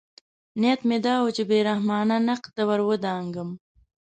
نیت مې دا و چې بې رحمانه نقد ته ورودانګم.